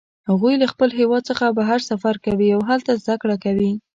هغوی له خپل هیواد څخه بهر سفر کوي او هلته زده کړه کوي